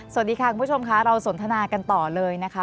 สวัสดีค่ะคุณผู้ชมค่ะเราสนทนากันต่อเลยนะคะ